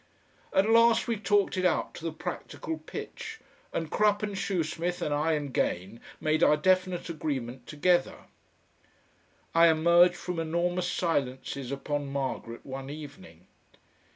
At last we talked it out to the practical pitch, and Crupp and Shoesmith, and I and Gane, made our definite agreement together.... I emerged from enormous silences upon Margaret one evening.